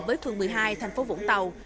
với phường một mươi hai thành phố vũng tàu